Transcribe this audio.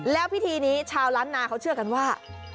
แล้วพิธีนี้ชาวล้านนาเขาเชื่อกันว่า